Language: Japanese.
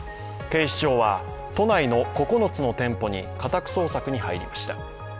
警視庁は都内の９つの店舗に家宅捜索に入りました。